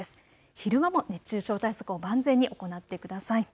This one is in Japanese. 昼間も熱中症対策を万全に行ってください。